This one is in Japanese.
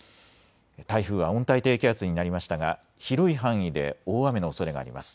台風は温帯低気圧になりましたが広い範囲で大雨のおそれがあります。